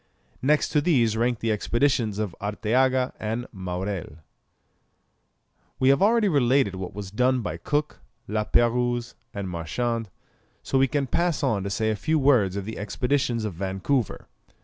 Next to these rank the expeditions of Arteaga and Maurelle. We have already related what was done by Cook, La Pérouse, and Marchand, so we can pass on to say a few words on the expeditions of Vancouver.